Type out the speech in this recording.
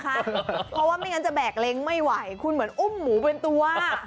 เพราะว่าไม่งั้นจะแบกเล้งไม่ไหวคุณเหมือนอุ้มหมูเป็นตัว